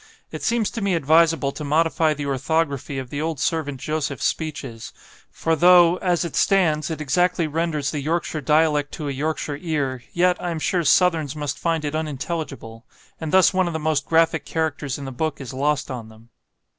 It seems to me advisable to modify the orthography of the old servant Joseph's speeches; for though, as it stands, it exactly renders the Yorkshire dialect to a Yorkshire ear, yet, I am sure Southerns must find it unintelligible; and thus one of the most graphic characters in the book is lost on them.